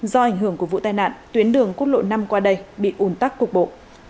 do ảnh hưởng của vụ tai nạn tuyến đường quốc lộ năm qua đây bị ủn tắc cuộc bộ